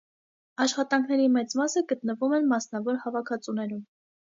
Աշխատանքների մեծ մասը գտնվում են մասնավոր հավաքածուներում։